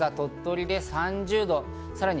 鳥取で３０度。